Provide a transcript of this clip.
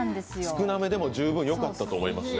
少なめでも十分よかったと思いますね。